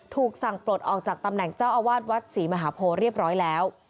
ถูกสั่งปลดออกจากตำแหน่งเจ้าอาวาสวัดศรีมหาโพเรียบร้อยแล้ว